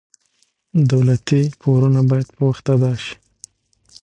دولتي پورونه باید په وخت ادا شي.